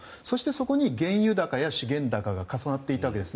そして、そこの原油高や資源高が重なりました。